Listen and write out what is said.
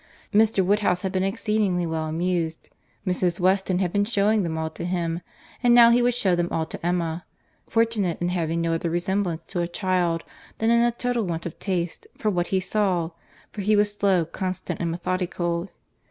Mr. Woodhouse had been exceedingly well amused. Mrs. Weston had been shewing them all to him, and now he would shew them all to Emma;—fortunate in having no other resemblance to a child, than in a total want of taste for what he saw, for he was slow, constant, and methodical.